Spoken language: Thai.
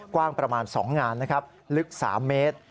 กว้างประมาณ๒งานลึก๓เมตร